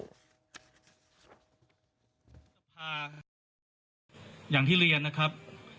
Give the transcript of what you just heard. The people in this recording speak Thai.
ก็มีคนถามว่าอันนี้เก้ากลายได้ปรึกษาภักดิ์ร่วมไหม